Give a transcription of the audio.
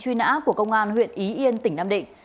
truy nã của công an huyện ý yên tỉnh nam định